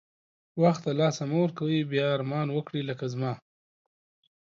وخت د لاسه مه ورکوی بیا ارمان وکړی لکه زما